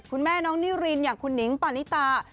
คุณแม่น้องนิรินอย่างคุณหนิงปานิตา